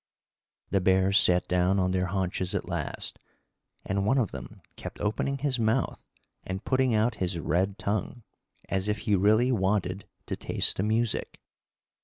The bears sat down on their haunches at last, and one of them kept opening his mouth and putting out his red tongue, as if he really wanted to taste the music.